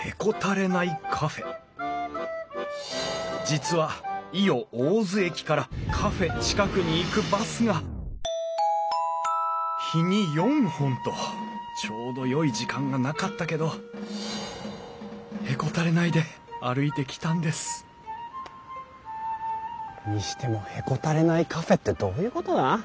実は伊予大洲駅からカフェ近くに行くバスが日に４本とちょうどよい時間がなかったけどへこたれないで歩いてきたんですにしても「へこたれないカフェ」ってどういうことだ？